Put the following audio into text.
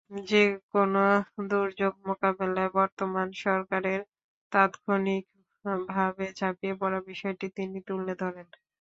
যেকোনো দুর্যোগ মোকাবিলায় বর্তমান সরকারের তাত্ক্ষণিকভাবে ঝাঁপিয়ে পড়ার বিষয়টি তিনি তুলে ধরেন।